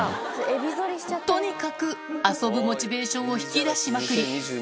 とにかく、遊ぶモチベーションを引き出しまくり。